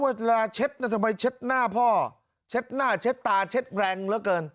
เวลาเช็ดทำไมเช็ดหน้าพ่อเช็ดหน้าเช็ดตาเช็ดแรงเหลือเกิน